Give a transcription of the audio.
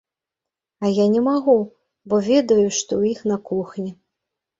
А я не магу бо ведаю, што ў іх на кухні.